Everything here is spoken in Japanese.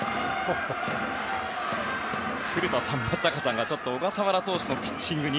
古田さん、松坂さんが小笠原投手のピッチングに。